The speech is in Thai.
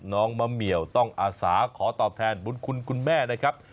น้องมะเหมียวต้องอาสาขอตอบแทนบุญคุณคุณแม่นะครับ